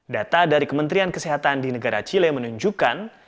data dari kementerian kesehatan di negara chile menunjukkan